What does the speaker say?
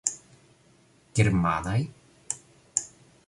Germanaj?